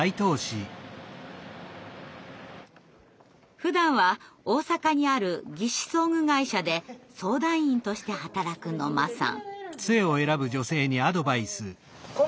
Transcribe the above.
ふだんは大阪にある義肢装具会社で相談員として働く野間さん。